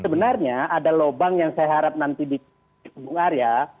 sebenarnya ada lobang yang saya harap nanti di bumn aria